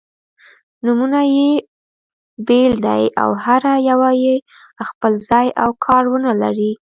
نومونه يې بېل دي او هره یوه یې خپل ځای او کار-ونه لري.